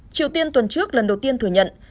triều tiên tuần trước lần đầu tiên thừa nhận